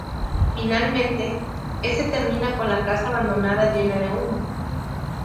Finalmente, este termina con la casa abandonada llena de humo.